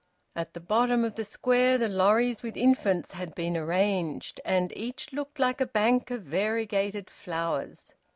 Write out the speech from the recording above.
At the bottom of the Square the lorries with infants had been arranged, and each looked like a bank of variegated flowers.